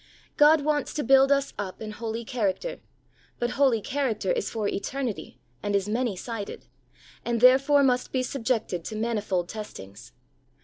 God wants to build us up in holy character, but holy character is for eternity and is many sided, and therefore must be subjected to manifold testings.